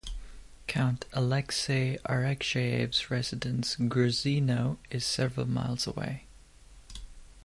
Count Alexey Arakcheyev's residence Gruzino is several miles away.